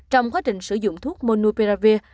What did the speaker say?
trong quá trình sử dụng thuốc monopiravir